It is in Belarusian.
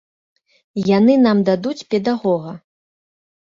Яны нам дадуць педагога.